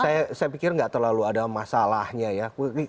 saya pikir nggak terlalu ada masalahnya ya